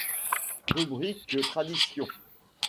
Rubrique Traditions.